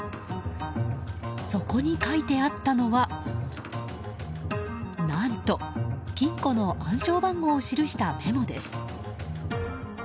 そこに書いてあったのは、何と金庫の暗証番号を記したメモです。